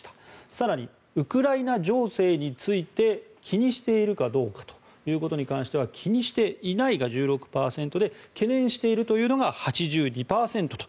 更に、ウクライナ情勢について気にしているかどうかに関しては気にしていないが１６％で懸念しているというのが８２％と。